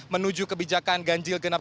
menuju kebijakan ganjil genap